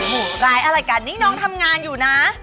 หูร้ายอะไรกันนี่น้องทำงานอยู่นะ